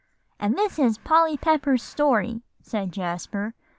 "And this is Polly Pepper's story," said Jasper.